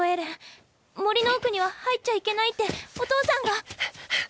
森の奥には入っちゃいけないってお父さんが。